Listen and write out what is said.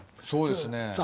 そうですね。